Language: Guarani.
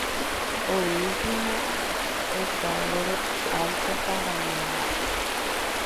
Oĩhína tetãvore Alto Paranáme.